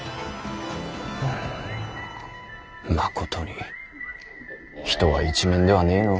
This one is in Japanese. まことに人は一面ではねぇのう。